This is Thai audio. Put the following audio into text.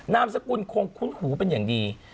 นามสกุลคงคุ้นหูเป็นอย่างดี